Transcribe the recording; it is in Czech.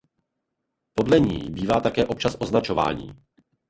Podle ní bývá také občas označování.